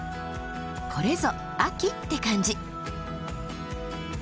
これぞ秋って感じ。